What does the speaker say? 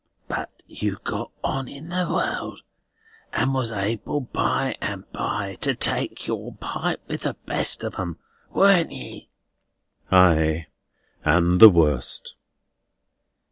"But you got on in the world, and was able by and by to take your pipe with the best of 'em, warn't ye?" "Ah; and the worst."